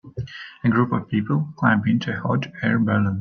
A group of people climb into a hot air balloon.